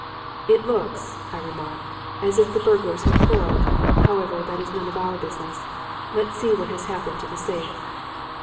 "'It looks,' I remarked, 'as if the burglars had quarreled. However, that is none of our business. Let us see what has happened to the safe.'